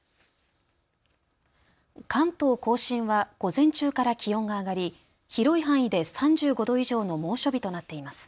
関東甲信は午前中から気温が上がり広い範囲で３５度以上の猛暑日となっています。